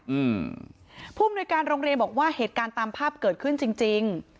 อืมผู้อำนวยการโรงเรียนบอกว่าเหตุการณ์ตามภาพเกิดขึ้นจริงจริง